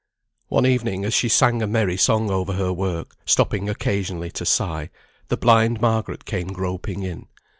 One evening, as she sang a merry song over her work, stopping occasionally to sigh, the blind Margaret came groping in.